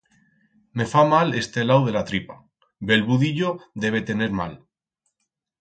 Me fa mal este lau de la tripa, bel budillo debe tener mal.